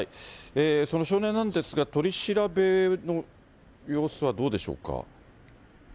その少年なんですが、取り調べの様子はどうでしょうか。